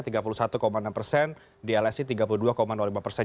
tiga puluh satu enam persen di lsi tiga puluh dua dua puluh lima persen